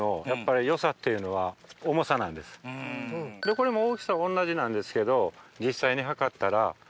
これも大きさ同じなんですけど。